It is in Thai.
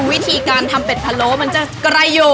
วิธีการทำเป็ดพะโล้มันจะไกลอยู่